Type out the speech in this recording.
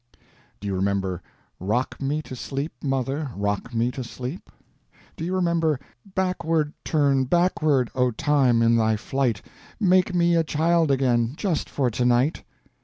Do you remember "Rock Me to Sleep, Mother, Rock Me to Sleep"? Do you remember "Backward, turn, backward, O Time, in thy flight! Make me a child again just for tonight"?